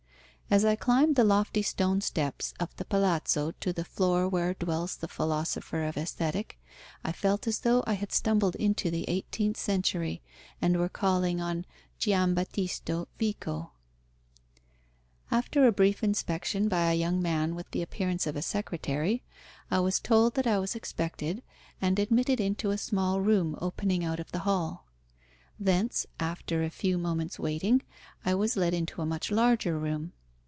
As I climbed the lofty stone steps of the Palazzo to the floor where dwells the philosopher of Aesthetic I felt as though I had stumbled into the eighteenth century and were calling on Giambattista Vico. After a brief inspection by a young man with the appearance of a secretary, I was told that I was expected, and admitted into a small room opening out of the hall. Thence, after a few moments' waiting, I was led into a much larger room.